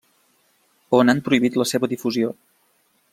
O n'han prohibit la seva difusió.